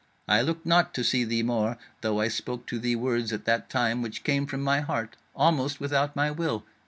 I looked not to see thee more; though I spoke to thee words at that time which came from my heart, almost without my will.